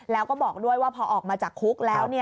แล้วก็บอกด้วยว่าพอออกมาจากคุกแล้ว